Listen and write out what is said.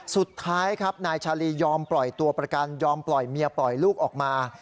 สุดท้ายครับนายชาลียอมปล่อยตัวประกันยอมปล่อยเมียปล่อยลูกออกมา